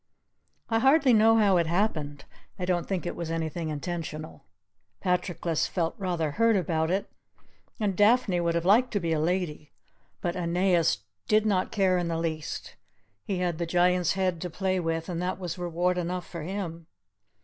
I hardly know how it happened I don't think it was anything intentional. Patroclus felt rather hurt about it, and Daphne would have liked to be a lady, but Aeneas did not care in the least. He had the Giant's head to play with and that was reward enough for him.